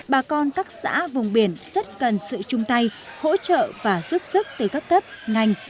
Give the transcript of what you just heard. ba con các xã vùng biển rất cần sự chung tay hỗ trợ và giúp sức tới các thấp ngành